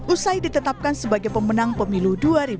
usai ditetapkan sebagai pemenang pemilu dua ribu dua puluh